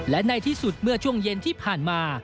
และในที่สุดเมื่อช่วงเย็นที่ผ่านมา